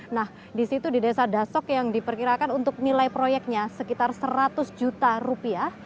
nah di situ di desa dasok yang diperkirakan untuk nilai proyeknya sekitar seratus juta rupiah